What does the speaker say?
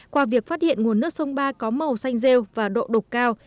qua việc phát hiện nguồn nước sông ba có màu xanh rêu và độ đục cao